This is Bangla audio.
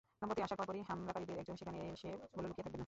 দম্পতি আসার পরপরই হামলাকারীদের একজন সেখানে এসে বলল, লুকিয়ে থাকবেন না।